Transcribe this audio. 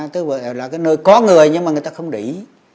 tức là cái nơi có người nhưng mà người ta không để ý